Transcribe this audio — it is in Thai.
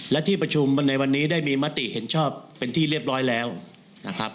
และที่ประชุมในวันนี้ได้มีมติเห็นชอบเป็นที่เรียบร้อยแล้วนะครับ